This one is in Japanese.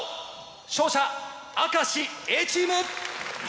勝者明石Ａチーム！